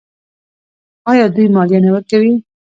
آیا دوی مالیه نه ورکوي؟